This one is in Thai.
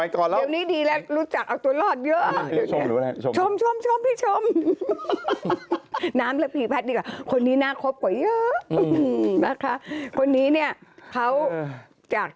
ตอนเด็กเขาไม่หล่ออย่างนี้อยู่ดีน้องหนุ่มก็หล่อ